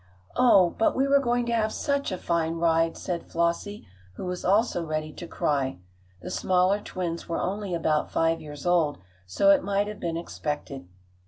"Oh, but we were going to have such a fine ride!" said Flossie, who was also ready to cry. The smaller twins were only about five years old, so it might have been expected.